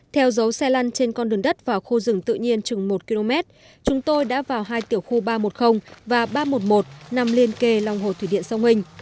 theo dấu xe lăn trên con đường đất vào khu rừng tự nhiên chừng một km chúng tôi đã vào hai tiểu khu ba trăm một mươi và ba trăm một mươi một nằm liên kề lòng hồ thủy điện sông hình